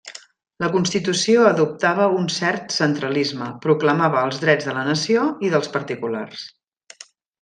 La Constitució adoptava un cert centralisme, proclamava els drets de la Nació i dels particulars.